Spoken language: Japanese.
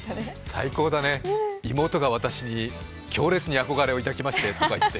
最高だね、妹が私に強烈に憧れを抱きましてって。